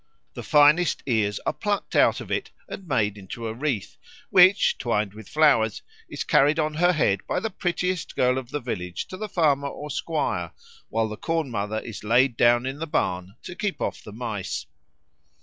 The finest ears are plucked out of it and made into a wreath, which, twined with flowers, is carried on her head by the prettiest girl of the village to the farmer or squire, while the Corn mother is laid down in the barn to keep off the mice.